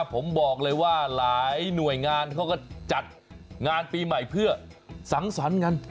ผมบอกเลยว่าหลายหน่วยงานเขาก็จัดงานปีใหม่เพื่อสังสรรค์กัน